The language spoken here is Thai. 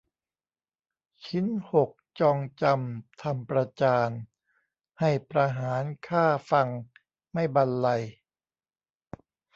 ชิ้นหกจองจำทำประจาน ให้ประหารฆ่าฟังไม่บรรไลย